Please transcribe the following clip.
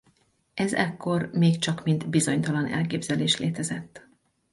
Ez ekkor még csak mint bizonytalan elképzelés létezett.